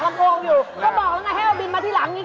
เขาบอกแล้วไงให้บินมาที่หลังนี้